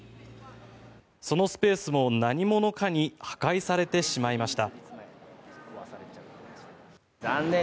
そのスペースも何者かに破壊されてしまいました。